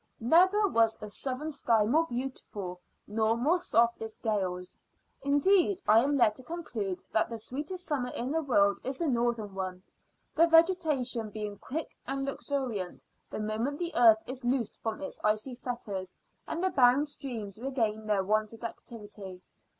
Never was a southern sky more beautiful, nor more soft its gales. Indeed, I am led to conclude that the sweetest summer in the world is the northern one, the vegetation being quick and luxuriant the moment the earth is loosened from its icy fetters and the bound streams regain their wonted activity.